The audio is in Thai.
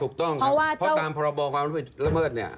ถูกต้องเพราะตามประบบความรู้ผิดระเบิดเนี่ย